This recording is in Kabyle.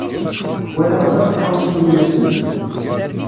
Walaɣ aṭas n tɣawsiwin ass-nni.